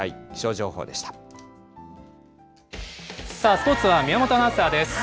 スポーツは宮本アナウンサーです。